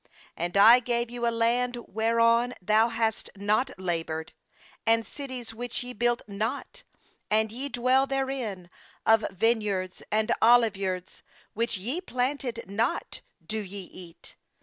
13And I gave you a land whereon thou hadst not laboured, and cities which ye built not, and ye dwell therein; of vineyards and olive yards which ye planted not do ye eat.